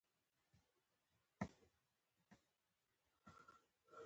ډېری وخت به یې د ژړک پر ځای زرک شو.